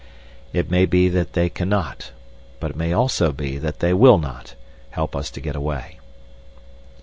It may be that they cannot, but it may also be that they will not, help us to get away.